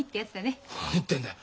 何言ってんだよ。